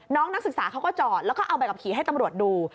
นักศึกษาเขาก็จอดแล้วก็เอาใบขับขี่ให้ตำรวจดู